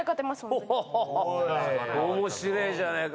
面白えじゃねえか。